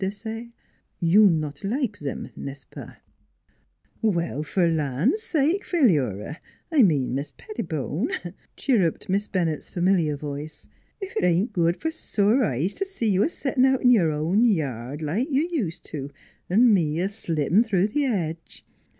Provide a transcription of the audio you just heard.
Desaye. "You not like zem n'est ce pasf " "Well, f'r th' land sake, Philura! I mean Mis' Pettibone," chirruped Miss Bennett's fa miliar voice. " Ef it ain't good f'r sore eyes t' see you a settin' out in your own yard, like you ust' to, an' me a slippin' through the hedge."